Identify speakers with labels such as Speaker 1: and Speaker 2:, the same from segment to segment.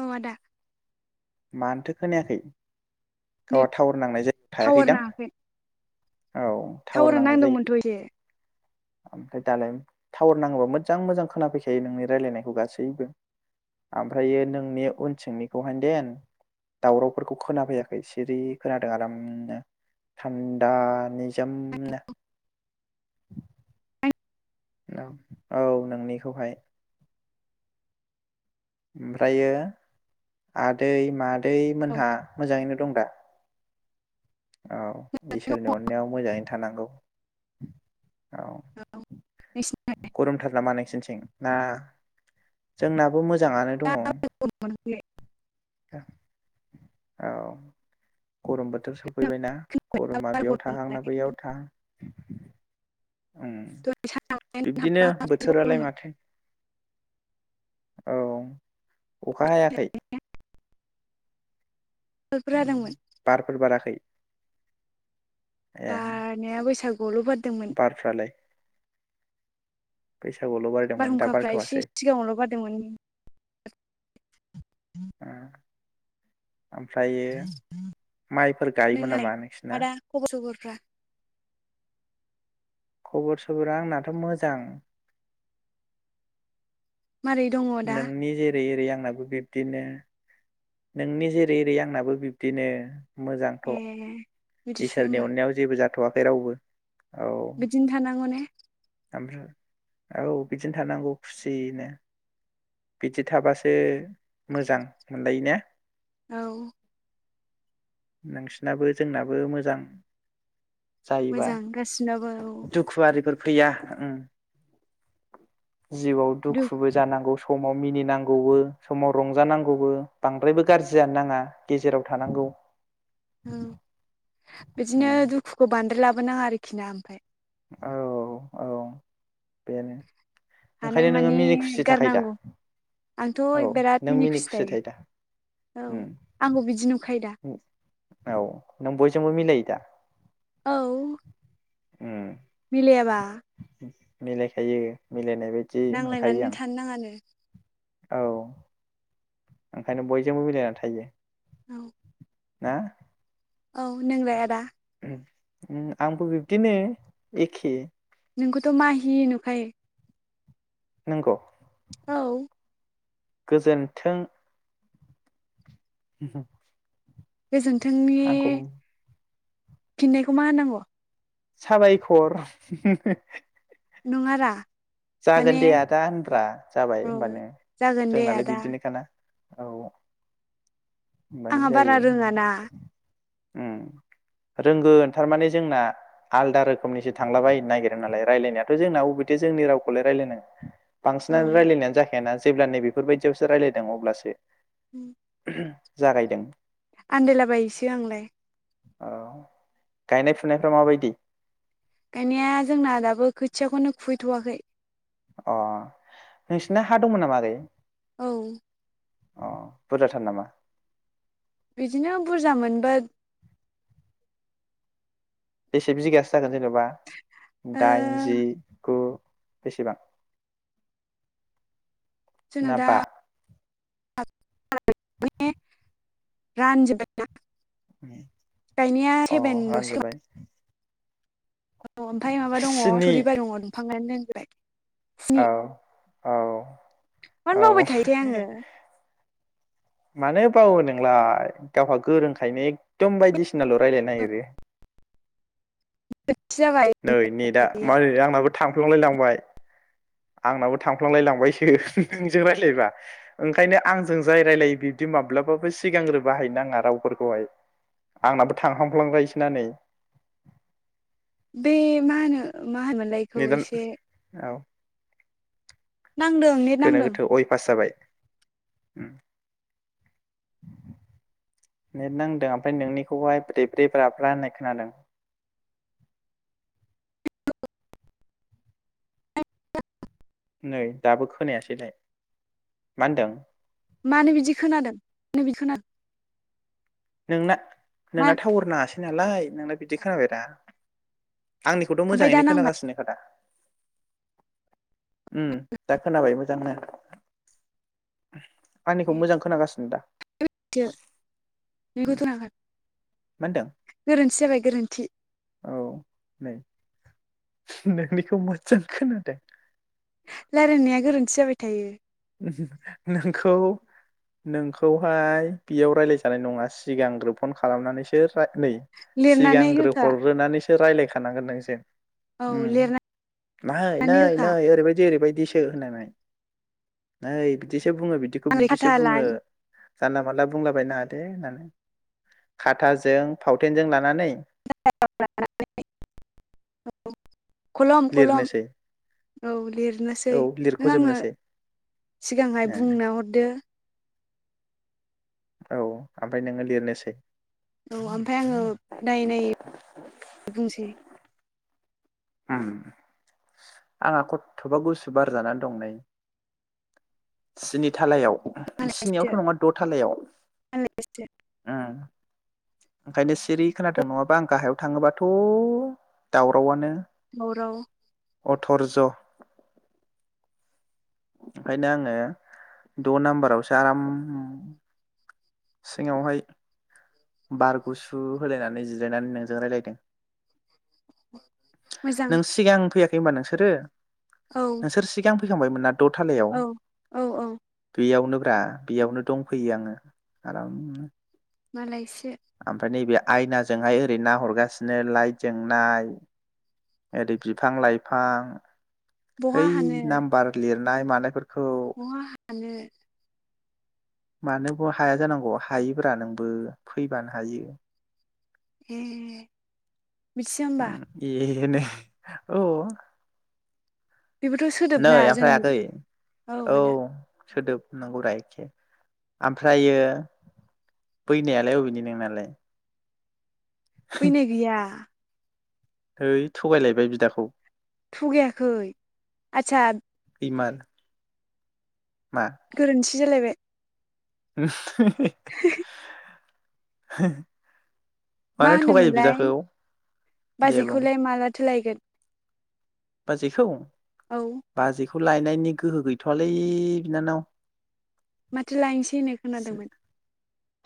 Speaker 1: औ आदा।
Speaker 2: मानोथो खोनायाखै
Speaker 1: नेट
Speaker 2: गावआ टावार नांनाय जायगायाव
Speaker 1: टावार
Speaker 2: थायाखैदां?
Speaker 1: नाङाखै
Speaker 2: औ टावार
Speaker 1: टावारा
Speaker 2: नांनाय जायगायाव
Speaker 1: नांदोंमोनथ' एसे
Speaker 2: ओमफ्राय दालाय टावार नाङोबा मोजां मोजां खोनाफैखायो नोंनि रायलायनायखौ गासैबो आमफ्रायो नोंनि उन थिंनिखौहायदेन दावरावफोरखौ खोनाफैयाखै सिरि खोनादों आरामनो थान्दा निजोमनो। औ औ नोंनिखौहाय ओमफ्रायो आदै मा दै
Speaker 1: औ
Speaker 2: मोनहा मोजाङैनो दं दा? औ इसोरनि अननायाव मोजाङै थानांगौ औ। गरुमथार नामा नोंसिनिथिं? ना जोंनाबो मोज जाङानो दङ औ। गरम बोथोर सफैबायना गरमा बेयाव थाहां ना बैयाव थाहां। उम बिब्दिनो बोथोरालाय माथो औ अखा हायाखै?
Speaker 1: जादोंमोन
Speaker 2: बारफोर बाराखै?
Speaker 1: बारनाया बैसागुआवल' बार
Speaker 2: बारफ्राला लाय [inaudible] बारदोंमोन दा
Speaker 1: बारहुंखाफ्रा एसे
Speaker 2: बारथ'वासै
Speaker 1: सिगाङावल' बारदोंमोन।
Speaker 2: ओ ओमफ्रायो माइफोर गायोमोन
Speaker 1: नोंनालाय
Speaker 2: नामा नोंसिना?
Speaker 1: आदा खबर सबरफ्रा
Speaker 2: खबर सबरा आंनाथ' मोजां।
Speaker 1: मारै दङ दा
Speaker 2: नोंनि जेरै एरै आं। आंनाबो बिब्दिनो। नोंनि जेरै एरै आंनाबो बिब्दिनो मोजांथ'
Speaker 1: ए बिदिसो
Speaker 2: इसोरनि
Speaker 1: होमबा
Speaker 2: अननायाव जेबो जा थ'वाखै रावबो। औ
Speaker 1: बिदिनो थानांगौ ने।
Speaker 2: ओमफ्राय औ बिदिनो थानांगौ खुसिनो बिदि थाबासो मोजां मोनलायो ना
Speaker 1: औ।
Speaker 2: नोंसिनाबो जोंनाबो मोजां। जायोबा
Speaker 1: मोजां गासिनाबो औ
Speaker 2: दुखु आरिफोर फैया उम जिउआव
Speaker 1: दुख
Speaker 2: दुखुबो जानांगौ समाव मिनिनांगौबो समाव रंजानांगौबो बांद्रायबो गारजि जानो नांङा गेजेराव थानांगौ
Speaker 1: उम बिदिनो
Speaker 2: उम
Speaker 1: दुखुखौ बांद्राय लाबो बो नांङा आरोखिना ओमफ्राय
Speaker 2: औ औ औ बेनो
Speaker 1: हानाय
Speaker 2: ओंखायनो नोङो
Speaker 1: मानि
Speaker 2: मिनि खुसि थाखायो दा
Speaker 1: गारनांगौ। आंथ' बेराद मिनि खुसि थायो औ
Speaker 2: उम
Speaker 1: आंबो बिदि नुखायो दा
Speaker 2: औ नों बयजोंबो मिलायो दा
Speaker 1: औ
Speaker 2: उम
Speaker 1: मिलायाबा
Speaker 2: मिलायखायो। मिलायनाय बायदि मोनखायो
Speaker 1: नांलायनानैनो
Speaker 2: आं
Speaker 1: थानो नाङानो
Speaker 2: औ ओंखायनो बयजोंबो मिलायनानै थायो।
Speaker 1: औ
Speaker 2: ना?
Speaker 1: औ नोंलाय आदा?
Speaker 2: उम, उम आंबो बिबदिनो एखे।
Speaker 1: नोंखौथ' माहि नुखायो।
Speaker 2: नोंगौ?
Speaker 1: औ
Speaker 2: गोजोन्थों! [inaudible]
Speaker 1: गोजोन्थोंनि
Speaker 2: आंखौ
Speaker 1: फिन्नायखौ मा होनांगौ?
Speaker 2: साबायखर। हुम हुम हो
Speaker 1: नंङारा
Speaker 2: जागोन दे आदा होनब्रा। जाबाय
Speaker 1: औ
Speaker 2: होनबानो
Speaker 1: जागोन दे
Speaker 2: जोंनालाय
Speaker 1: आदा
Speaker 2: बिदिनोखाना। औ होनबानो
Speaker 1: आंहा बारा
Speaker 2: जायो
Speaker 1: रोंङा ना
Speaker 2: उम रोंगोन थारमाने जोंना आलदा रोखोमनिसो थांलाबायनो नागिरो नालाय रायलायनायाथ' जोंना अबेथो जोंनि रावखौ खौलाय रायलायनांगोन
Speaker 1: औ
Speaker 2: बांसिनानो रायलायनायानो जाखायाना जेब्ला नै बेफोरबायदियावसो रायलायदों अब्लासो
Speaker 1: उम
Speaker 2: जागायदों।
Speaker 1: आन्दायलाबायसो आंलाय।
Speaker 2: औ गायनाय फुनायफ्रा माबायदि?
Speaker 1: गायनाया जोंना दाबो खोथियाखौनो खुबैथ'वाखै।
Speaker 2: अ नोंसिना हा दंमोन नामा आगै?
Speaker 1: औ
Speaker 2: अ बुरजाथार नामा?
Speaker 1: बिदिनो बुरजा मोनबा
Speaker 2: बेसे बिगासो जागोन जेनबा?
Speaker 1: ओ
Speaker 2: दाइन, जि, गु? बेसेबां?
Speaker 1: जोंना
Speaker 2: ना
Speaker 1: दा
Speaker 2: बा
Speaker 1: [unintelligible] रानजोब्बाय ना। गायनाया
Speaker 2: अ
Speaker 1: सेभेन ल'सै खोमा?
Speaker 2: रानजोब्बाय
Speaker 1: औ ओमफ्राय माबा दङ
Speaker 2: स्नि
Speaker 1: थुरिबा दङ दंफां। [unintelligible] स्नि
Speaker 2: औ औ
Speaker 1: मानो
Speaker 2: औ
Speaker 1: बावबाय थायो थाय आङो।
Speaker 2: मानो बावो नोंलाय गावहा गोरोंखायनो एकदम बायदि सिना ल' रायलानो नागेरो।
Speaker 1: जाबाय
Speaker 2: नै नेटआ मारै आंनाबो थांफ्लांय लांबाय। आंनाबो थांफ्लांलायलांबायसो नोंजों रायलायबा ओंखायनो आंजों जाय रायलायो बिब्दि माब्लाबाबो सिगांग्रो बाहायनो नाङा रावफोरखौहाय आंनाबो थांहांफ्लांबायसोना नै।
Speaker 1: बे मा होनो मा होनोमोनलायखौ
Speaker 2: नेटआ
Speaker 1: एसे
Speaker 2: औ
Speaker 1: नांदों नेट नांदों।
Speaker 2: उम नेटनांदों ओमफ्राय नोंनिखौहाय ब्रेब्रे बाब्रा होननाय खोनादों? नै दाबो खोनायासैलाय। मा होनदों?
Speaker 1: मानो बिदि खोनादों मानो बिदि खोनादों?
Speaker 2: नोंना
Speaker 1: मा
Speaker 2: नोंना टाउवार नाङासै नालाय नोंना बिदि खोनाबाय रा। आंनिखौथ
Speaker 1: ओमफ्राय दा
Speaker 2: मोजाङैनो
Speaker 1: नांबाय
Speaker 2: खोनागासिनो खादा? उम दा खोनाबाय मोजांनो। आंनिखौ मोजां खोनागासिनो दा? उम
Speaker 1: [unintelligible]
Speaker 2: मा होनदों
Speaker 1: गोरोन्थि जाबाय गोरोन्थि।
Speaker 2: औ नै नोंनिखौ मोजां खोनादों।
Speaker 1: रायलायनाया गोरोन्थि जाबाय थायो।
Speaker 2: नोंखौ नोंखौहाय बेयाव राय्लायजानाय नंङा सिगांग्रो फन खालामनानैसो फाख नै
Speaker 1: लिरनानै
Speaker 2: सिगांग्रो
Speaker 1: होखा
Speaker 2: हरग्रोनानैस रायलायखानांगोन नों जेन
Speaker 1: औ
Speaker 2: ओम
Speaker 1: लिरनानै
Speaker 2: नै नै
Speaker 1: होखा
Speaker 2: नै ओरैबायदि ओरैबायदि दिसो होनानै नै बिदि बुंङो बिदिखौ
Speaker 1: आं
Speaker 2: बिब्दिसो
Speaker 1: खाथा ला
Speaker 2: बुंङो जानला मानला बुंलाबायनो नांङा दे होननानै खाथाजों फावथेनजों लानानै
Speaker 1: [unintelligible] खलम खलम
Speaker 2: लिरनोसै
Speaker 1: औ लिरनोसै
Speaker 2: औ
Speaker 1: नों आंनो
Speaker 2: लिरख'जोबनोसै
Speaker 1: सिगांहाय
Speaker 2: ए,
Speaker 1: बुंना हरदो
Speaker 2: औ ओमफाय नोंङो लिरनोसै
Speaker 1: औ ओमफाय आंङो नायै नायै बुंसै
Speaker 2: ओम आंहा खथ'बा गुसु बार जानानै दं नै स्नि थालायाव
Speaker 1: मालायसो
Speaker 2: स्नियावथ' नंङा द' थालायाव
Speaker 1: मालायसो
Speaker 2: ओंखायनो सिरि खोनादों नङाबा आं गाहायाव थांङोबाथ' दावरावनो
Speaker 1: दावराव
Speaker 2: अथरज ओंखायनो आंङो द' नाम्बारावसो आराम सिङांवहाय बार गुसु होलायनानै जिरायनानै नोंजों रायज्लायदों
Speaker 1: मोजां
Speaker 2: नों सिगां फैयाखै होनबा नोंसोरो
Speaker 1: औ
Speaker 2: नोंसोर सिगां फैखांबायमोन ना द' थालायाव
Speaker 1: औ औ औ
Speaker 2: गैयाव [unintelligible] बेयावनो दंफैयो आंङो आरामनो
Speaker 1: मालायस
Speaker 2: ओमफ्राय नैबे आयनाजोंहाय ओरै ना हरगासिनो लाइट जों नाय ओरै बिफां लाइफां
Speaker 1: बहा
Speaker 2: ओइ नाम बारत [unintelligible] नाय मानायफोरखौ
Speaker 1: अहा हानो
Speaker 2: मानोबो हाया जानांगौ हायोब्रा नोंबो फैबानो हायो
Speaker 1: ए मिथिया होमबा
Speaker 2: ओम ए बेनो औ।
Speaker 1: बेबोथ'
Speaker 2: नै
Speaker 1: सोदोबना
Speaker 2: आफाय
Speaker 1: जोंनि
Speaker 2: आगै औ। सोदोब नांगौ रा एखे ओमफ्रायो बैनायालाय अबेनि नोंनालाय।
Speaker 1: फैनाय गैया।
Speaker 2: हैइ थगायलायबाय बिदाखौ [inaudible]
Speaker 1: थगायाखै आचसा।
Speaker 2: इमान।
Speaker 1: गोरोन्थि। जालायबाय।
Speaker 2: [unintelligible]
Speaker 1: [inaudible]
Speaker 2: [inaudible]
Speaker 1: मा
Speaker 2: थगायो
Speaker 1: होनोमोनलाय
Speaker 2: बिदाखौ दे बुं
Speaker 1: बाजैखौलाय माला थो लायगोन?
Speaker 2: बाजैखौ?
Speaker 1: औ
Speaker 2: बाजैखौ खौ लायनायनि गोहो गैथ'वालै बिनानाव
Speaker 1: माथो लायनोसै होननाय खोनादोंमोन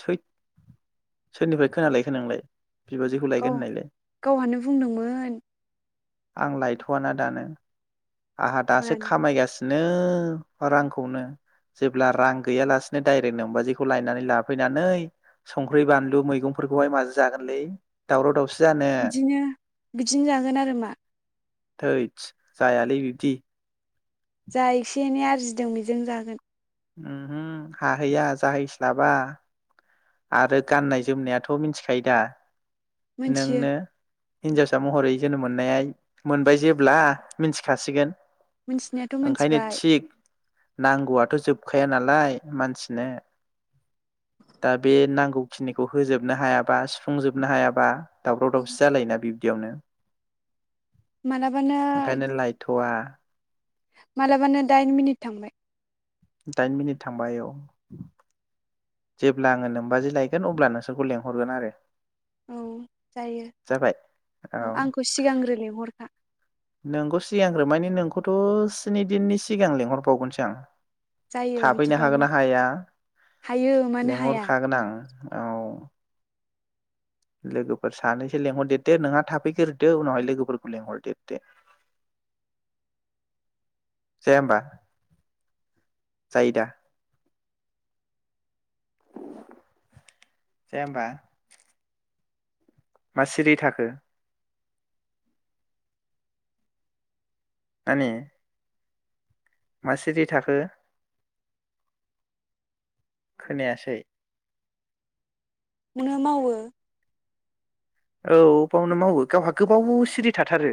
Speaker 2: थै सोरनिफ्राय खोनालाय खोनोंलाय?
Speaker 1: गाव गावहानो बुंदोंमोन।
Speaker 2: आं लायथ'वाना दानो। आंहा दासो
Speaker 1: मानो
Speaker 2: खामायगासिनो। बिनो रांखौनो जेब्ला रां गैया लासिनो दायरेक नोबाजिखौ लायनानै लाफैनानै संख्रि बानलु मैगंफोरखौहाय माजों जागोनलै दावराव दावसि जानो
Speaker 1: बिदिनो बिदिनो जागोन आरो मा
Speaker 2: थोदस जाया। लै बिब्दि।
Speaker 1: जा एसे एनै आरजिदों बेजों जागोन।
Speaker 2: ओहो हाहैया जाहैस्लाबा आरो गाननाय जोमनायाथ' मिथिखायो दा?
Speaker 1: मोनथियो
Speaker 2: नोंनो हिन्जावसा महरै जोनोम मोननाय मोनबाय जेब्ला मिथिखासिगोन।
Speaker 1: मोनथिनायाथ'
Speaker 2: ओंखायनो
Speaker 1: मोनथिबाय
Speaker 2: थिग नांगौआथ' जोब थोखाया नालाय मानसिनो। दा बे नांगौखिनिखौ होजोबनो हायाबा सुफुंजोबनो हायाबा दावराव दावसि जालायोना बिबदियावनो।
Speaker 1: मालाबानो
Speaker 2: गा [unintelligible]
Speaker 1: मालाबानो दाइन मिनिट थांबाय
Speaker 2: दाइन मिनिट थांबाय औ जेब्ला आङो नोंबाजै लायगोन अब्ला नोंसोरखौ लेंहरगोन आरो
Speaker 1: औ जायो
Speaker 2: जाबाय
Speaker 1: औ आंखौ सिगांग्रो लिहरखा।
Speaker 2: नोंखौ सिगांग्रो मायनि नोंखौथ' स्नि दिननि सिगां लिंहरबावगोनसो आं।
Speaker 1: जायो
Speaker 2: थाफैनो हागोन
Speaker 1: बिदिबाबो
Speaker 2: ना हाया?
Speaker 1: हायो मानो हाया
Speaker 2: लेंहरखागोन आं। औ लोगोफोर सानैसो लेंंहरदेरदो नोंहा थाफैग्रोदो उनावहाय लोगोफोरखौ लेंंहरदेरदो। जाया होमबा जायो दा? जाया होमबा? मा सिरि थाखो? नानि मा सिरि थाखो? खोनायासै?
Speaker 1: मोनो मावो
Speaker 2: औ बावनो मावो गावहा गोबाव सिरि थाथारो।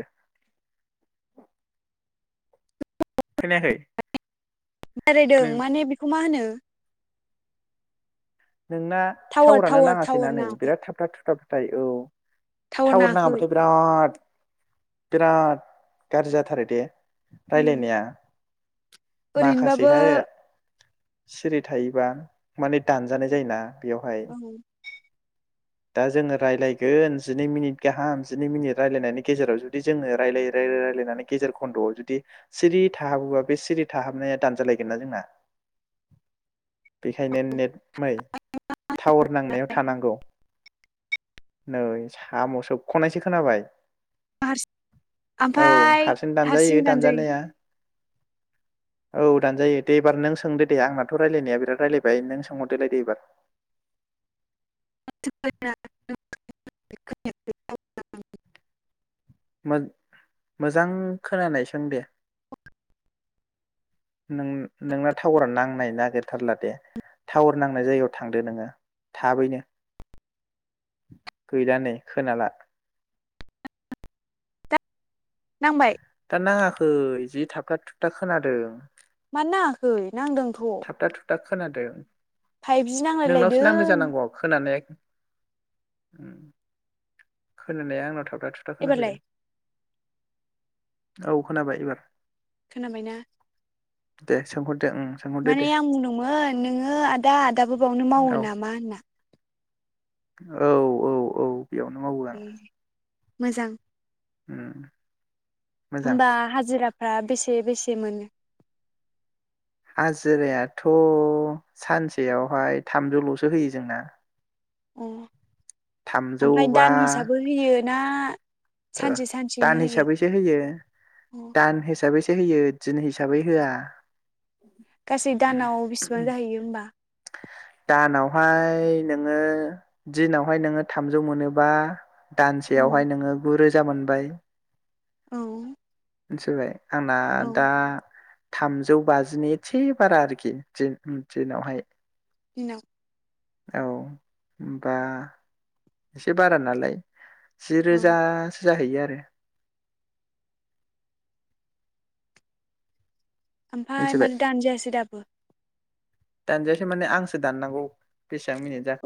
Speaker 2: खोनायाखै?
Speaker 1: बेरायदों।
Speaker 2: नों
Speaker 1: माने बेखौ मा होनो?
Speaker 2: नोंना
Speaker 1: टावार
Speaker 2: थटावरानो
Speaker 1: टावार
Speaker 2: नाङासैना
Speaker 1: टावार
Speaker 2: नै
Speaker 1: नाङाखै
Speaker 2: बिराथ थाबथाब थुथाब थाय औ टावार नाङाबथाय बिराद बिराद गाज्रि जाथारो दे
Speaker 1: उम
Speaker 2: रायलायनाया
Speaker 1: ओरैनोबाबो
Speaker 2: माखासेहाय सिरि थायोबा माने दान जानाय जायोना। बेवहाय
Speaker 1: औ
Speaker 2: दा जोङो रायलायगोन जिनै मिनिट गाहाम जिनै मिनिट रायलायनायनि गेजेराव जुदि जोङो। रायलायै रायलाय रायलायनानै गेजेर खन्द'आव जुदि सिरि थाहाबोबा। बे सिरि थाहाबनाया दानजालायगोन ना जोंना। बेखायनो नेट मै टावार नांनायाव थानांगौ। नै साम' सोबख'नायसो खोनाबाय।
Speaker 1: हारसि ओमफाय हारसिं दानजायो।
Speaker 2: औ दानजायो दे एबार नों सोंदो दे आंनाथ' रायलायनाया बिराद रायलायबाय नों सोंहरदोलाय दे एबार
Speaker 1: [unintelligible]
Speaker 2: मो-मोजां खोनानाय सों दे नों नोंना टावारा नांनाय नागिरथारला दे टावार नांनाय जायगायाव थांदो नोङो थाबैनो। गैला नै खोनाला।
Speaker 1: नांबाय
Speaker 2: दा नाङाखै जि थाबथा थुबथा खोनादों।
Speaker 1: मानो नांआखै? नांदोंथ'
Speaker 2: थाबथा थुबथा खोनादों।
Speaker 1: फाइभजि
Speaker 2: नोंनावसो नांदों
Speaker 1: नांलायलायदों
Speaker 2: जानांगौ खोनानाय अम खोनानाया आंनाव थाब था थुबथा खोना
Speaker 1: एबारलाय
Speaker 2: फैदों औ खोनाबाय एबार
Speaker 1: खोनाबायना
Speaker 2: दे सोंहरदो अम
Speaker 1: माने आं बुंदोंमोन नोङो आदा दाबो बावनो मावो
Speaker 2: औ
Speaker 1: नामा होनना
Speaker 2: औ औ औ बेयावनो मावो आं
Speaker 1: ए मोजां
Speaker 2: अम
Speaker 1: होमबा हाजिरा फ्रा बेसे-बेसे मोनो
Speaker 2: हाजिरायाथ' सानसेयावहाय थामजौल'सो होयो जोंना
Speaker 1: अ
Speaker 2: थामजौ
Speaker 1: ओमफ्राय
Speaker 2: बा
Speaker 1: दान हिसाबै होयो ना
Speaker 2: ओ
Speaker 1: सानसे सानसेयैनो
Speaker 2: दान
Speaker 1: होयो
Speaker 2: हिसाबैसो होयो
Speaker 1: अ
Speaker 2: दान हिसाबै होयो दिन हिसाबै होआ
Speaker 1: गासै दानाव बेसेबां जाहैयो होमबा
Speaker 2: दानावहाय नोङो दिनावहाय नोङो थामजौ मोनोबा
Speaker 1: औ
Speaker 2: दानसेयावहाय नोङो रोजा मोनबाय
Speaker 1: औ
Speaker 2: मोनथिबाय आंना
Speaker 1: औ
Speaker 2: दा थामजौ बाजिनि एसे बारा आरोखि दिन दिनावहाय
Speaker 1: दिनाव
Speaker 2: औ होमबा एसे बारा नालाय जि
Speaker 1: औ
Speaker 2: रोजा जाहैयो आरो
Speaker 1: ओमफाय मानो दानजायासै दाबो
Speaker 2: दानजायाखै माने आंसो दाननांगौ बेसां मिनिट जाखो